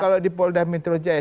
kalau di polda metro jaya